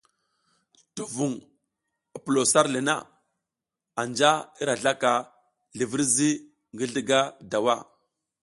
To vuŋ pulo sar le na anja i ra zlaka zlivirzi ngi zlǝga dawa.